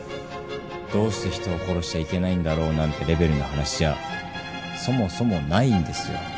「どうして人を殺しちゃいけないんだろう」なんてレベルの話じゃそもそもないんですよ。